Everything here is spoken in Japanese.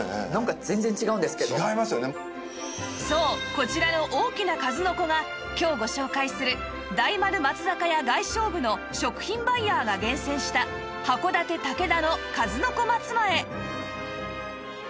そうこちらの大きな数の子が今日ご紹介する大丸松坂屋外商部の食品バイヤーが厳選した函館竹田の数の子松前